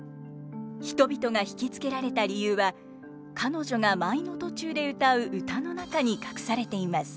人々が引き付けられた理由は彼女が舞の途中で歌う歌の中に隠されています。